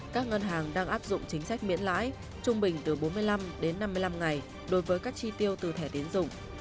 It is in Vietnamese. các ngân hàng đang áp dụng chính sách miễn lãi trung bình từ bốn mươi năm đến năm mươi năm ngày đối với các chi tiêu từ thẻ tiến dụng